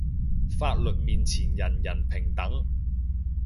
法律面前人人平等